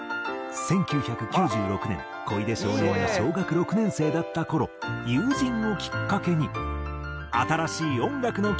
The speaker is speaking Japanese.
１９９６年小出少年が小学６年生だった頃友人をきっかけに。